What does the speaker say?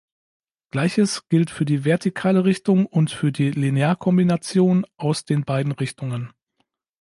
Gleiches gilt für die vertikale Richtung und für die Linearkombination aus den beiden Richtungen.